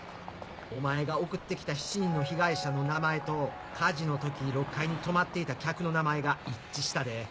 お前が送って来た７人の被害者の名前と火事の時６階に泊まっていた客の名前が一致したで。